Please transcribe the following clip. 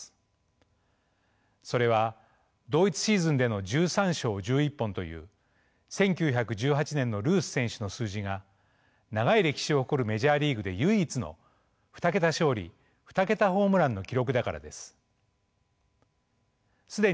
それは同一シーズンでの「１３勝１１本」という１９１８年のルース選手の数字が長い歴史を誇るメジャーリーグで唯一の２桁勝利２桁ホームランの記録だからです。